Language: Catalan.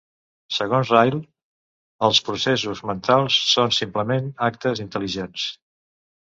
Segons Ryle, els processos mentals són simplement actes intel·ligents.